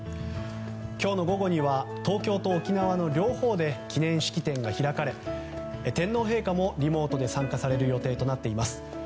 今日の午後には東京と沖縄の両方で記念式典が開かれ天皇陛下もリモートで参加される予定となっています。